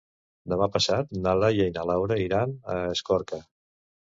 Demà passat na Laia i na Laura iran a Escorca.